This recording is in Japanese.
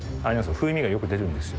風味がよく出るんですよ。